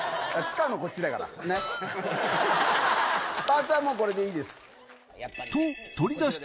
パーツはもうこれでいいです。